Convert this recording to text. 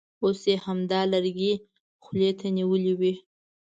اوس یې همدا لرګی خولې ته نیولی وي.